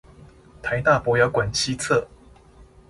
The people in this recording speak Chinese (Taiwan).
臺大博雅館西側